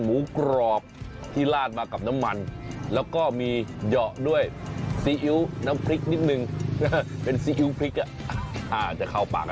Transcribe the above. ช้อนนี้น่ะ